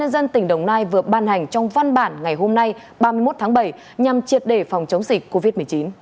dân tỉnh đồng nai vừa ban hành trong văn bản ngày hôm nay ba mươi một tháng bảy nhằm triệt để phòng chống dịch covid một mươi chín